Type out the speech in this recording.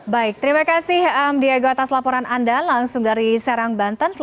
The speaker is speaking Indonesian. baik terima kasih diego atas laporan anda langsung dari serang banten